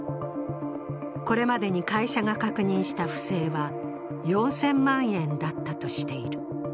これまでに会社が確認した不正は４０００万円だったとしている。